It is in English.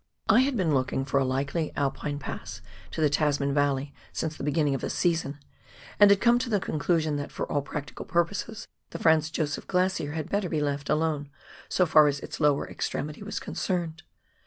I had been looking for a likely Alpine pass to the Tasman Valley since the beginning of the season, and had come to the conclusion that, for all practical purposes, the Franz Josef Glacier had better be left alone, so far as its lower extremity was concerned.